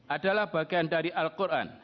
adalah bagian dari al quran